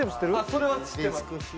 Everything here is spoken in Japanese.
それは知ってます。